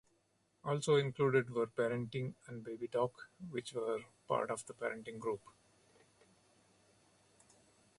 Also included were "Parenting" and "Babytalk", which were part of the Parenting Group.